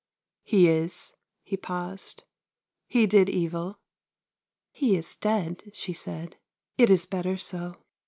" He is " he paused. " He did evil ?"" He is dead," she said. " It is better so."